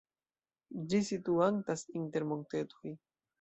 Ĝi situantas inter montetoj.